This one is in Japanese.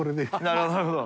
なるほどなるほど。